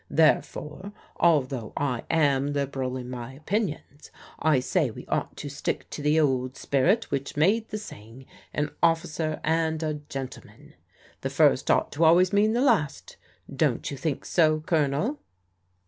Therefore, although I am liberal in my opinions, I say we ought to stick to the old spirit which made the saying ' an officer and a gentleman.' The first ought always to mean the last. Don't you think so. Colonel